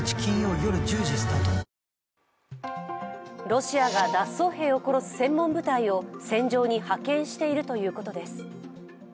ロシアが脱走兵を殺す専門部隊を戦場に派遣していると言うことです。